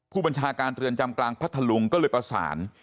ผู้บัญชาการเรือนจำกลางพัทธลุงก็เลยประสาน